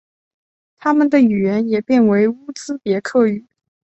他们语言也变成乌兹别克语。